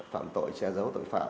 phạm tội che giấu tội phạm